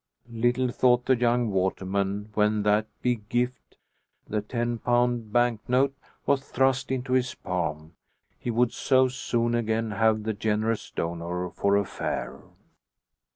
Little thought the young waterman, when that "big gift" the ten pound bank note was thrust into his palm, he would so soon again have the generous donor for a fare.